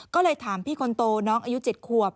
ก็เลยถามพี่คนโตน้องอายุ๗ขวบ